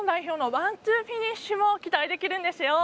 ワンツーフィニッシュも期待できるんですよ。